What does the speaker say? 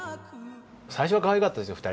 最初はかわいかったですよ